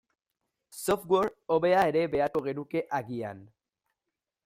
Software hobea ere beharko genuke agian.